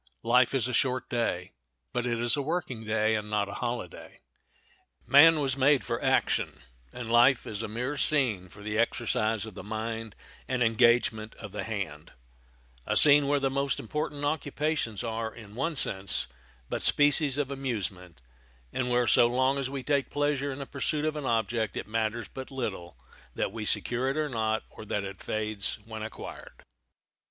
Life is a short day; but it is a working day, and not a holiday. Man was made for action, and life is a mere scene for the exercise of the mind and engagement of the hand—a scene where the most important occupations are, in one sense, but species of amusement, and where so long as we take pleasure in the pursuit of an object it matters but little that we secure it not, or that it fades when acquired.